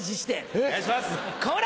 はいお願いします！